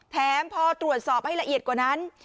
แถมพอตรวจสอบให้ละเอียดกว่านั้น